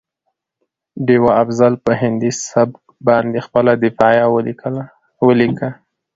ډيوه افضل په هندي سبک باندې خپله دفاعیه ولیکه